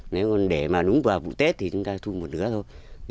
nếu để mà đúng vào vụ tết thì chúng ta thu một nửa thôi